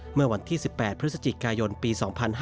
เมื่อวันที่๑๘พฤศจิกายนปี๒๕๕๙